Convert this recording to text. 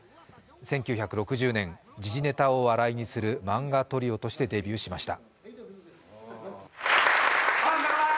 １９６０年、時事ネタを笑いにする漫画トリオとしてデビューしました。